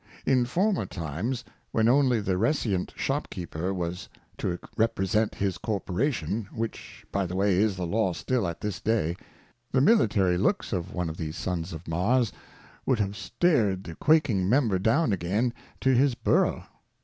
In former times, when only the Resiant Shopkeeper was to Represent his Corporation (which by the way is the Law still at this day) the Military Looks of one of these Sons of Mars, would have stared the Quaking Member down again to his Burrough.